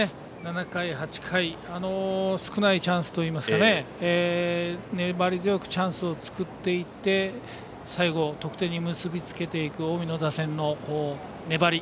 ７回、８回少ないチャンスといいますか粘り強くチャンスを作っていって最後、得点に結び付けていく近江の打線の粘り。